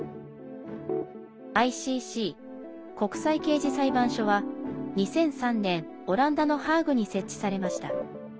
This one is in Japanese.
ＩＣＣ＝国際刑事裁判所は２００３年、オランダのハーグに設置されました。